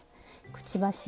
くちばし